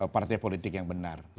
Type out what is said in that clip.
partai politik yang benar